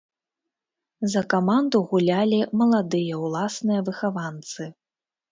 За каманду гулялі маладыя ўласныя выхаванцы.